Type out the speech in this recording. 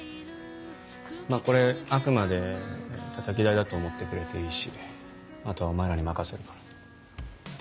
まぁこれあくまでたたき台だと思ってくれていいしあとはお前らに任せるから。